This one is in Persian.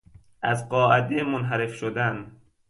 از قاعده منحرف شدن